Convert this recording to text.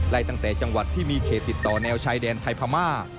ตั้งแต่จังหวัดที่มีเขตติดต่อแนวชายแดนไทยพม่า